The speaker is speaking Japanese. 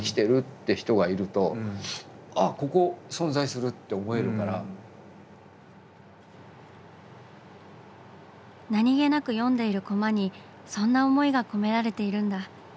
何気なく読んでいるコマにそんな思いが込められているんだ。